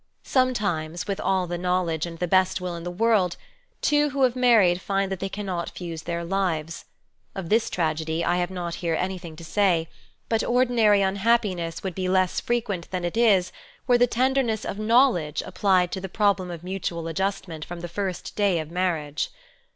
Sometimes, with all the knowledge and the best will in the world, two who have married find that they cannot fuse their lives; of this tragedy I have not here anything to say; but ordinary unhappiness would be less frequent than it is were the tenderness of knowledge applied to the problem of mutual adjust ment from the first day of marriage.